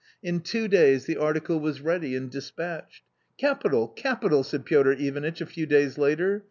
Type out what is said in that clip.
In two days the article was ready and despatched. " Capital, capital !" said Piotr Ivanitch a few days later.